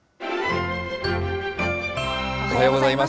おはようございます。